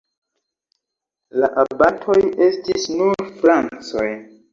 La abatoj estis nur francoj.